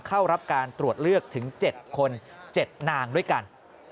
เข้ารับการตรวจเลือกถึง๗คน๗นางด้วยกัน